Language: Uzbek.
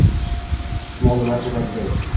chumolilar toʼdasiday